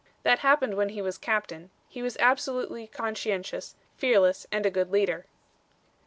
That happened when he was captain. He was absolutely conscientious, fearless and a good leader."